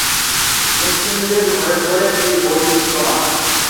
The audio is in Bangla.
মুসলিমদের ঘরে ঘরে এ বই বিদ্যমান।